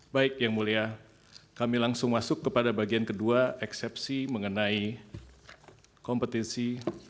baik yang mulia kami langsung masuk kepada bagian kedua eksepsi mengenai kompetisi